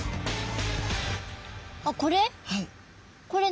あっこれ？